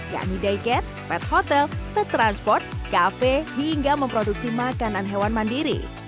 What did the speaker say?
yakni day cat pet hotel pet transport kafe hingga memproduksi makanan hewan mandiri